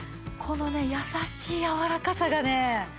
このね優しいやわらかさがね